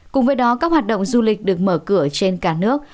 cùng với đó các hoạt động du lịch được mở cửa trên cả nước